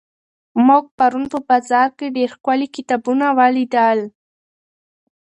موږ پرون په بازار کې ډېر ښکلي کتابونه ولیدل.